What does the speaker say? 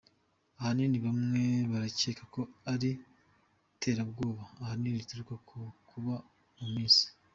ahanini bamwe barakeka ko iri terabwoba ahanini rituruka ku kuba mu minsi.